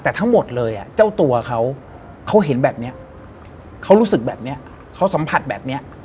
แต่ทั้งหมดเลยเจ้าตัวเขาเขาเห็นแบบนี้เขารู้สึกแบบนี้เขาสัมผัสแบบนี้